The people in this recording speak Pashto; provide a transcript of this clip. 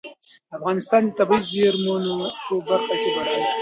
افغانستان د طبیعي زېرمونو په برخه کې بډای دی.